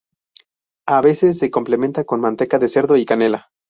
A veces se complementa con manteca de cerdo y canela.